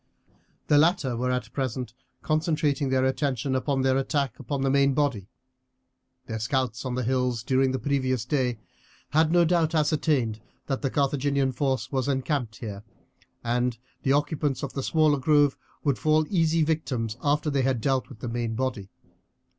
The latter were at present concentrating their attention upon their attack upon the main body. Their scouts on the hills during the previous day had no doubt ascertained that the Carthaginian force was encamped here, and the occupants of the smaller grove would fall easy victims after they had dealt with the main body.